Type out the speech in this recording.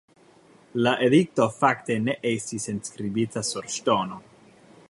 La edikto fakte ne estis enskribita sur ŝtono.